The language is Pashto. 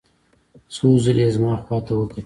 څو ځلې یې زما خواته وکتل.